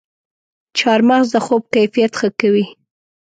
چارمغز د خوب کیفیت ښه کوي.